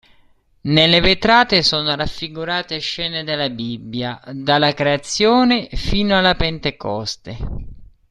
Nelle vetrate sono raffigurate scene della Bibbia, dalla Creazione fino alla Pentecoste.